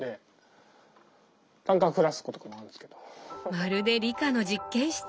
まるで理科の実験室。